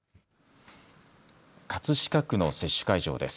葛飾区の接種会場です。